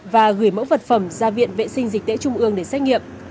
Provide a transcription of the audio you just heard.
và gửi mẫu vật phẩm ra viện vệ sinh dịch tễ trung ương để xét nghiệm